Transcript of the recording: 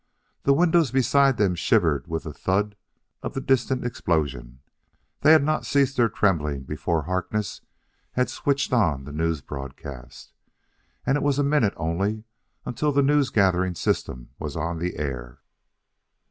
The windows beside them shivered with the thud of the distant explosion; they had not ceased their trembling before Harkness had switched on the news broadcast. And it was a minute only until the news gathering system was on the air.